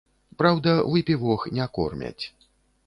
Праўда, выпівох не кормяць.